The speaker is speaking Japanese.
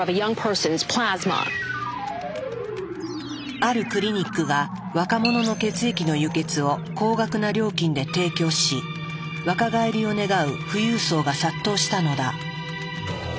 あるクリニックが若者の血液の輸血を高額な料金で提供し若返りを願う富裕層が殺到したのだ。